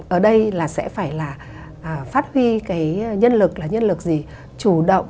ở đây là sẽ phải là phát huy cái nhân lực là nhân lực gì chủ động